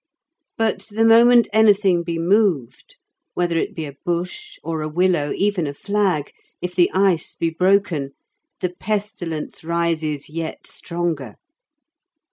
But the moment anything be moved, whether it be a bush, or a willow, even a flag, if the ice be broken, the pestilence rises yet stronger.